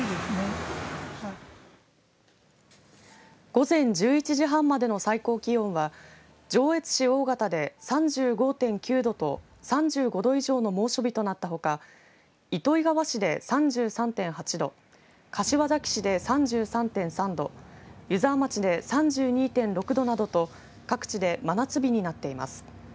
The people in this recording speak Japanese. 午前１１時半までの最高気温は上越市大潟で３５．９度と３５度以上の猛暑日となったほか糸魚川市で３３．８度柏崎市で３３．３度湯沢町で３２．６度などと各地で真夏日になっています。